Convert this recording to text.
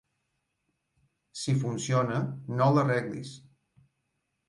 Si funciona, no l'arreglis.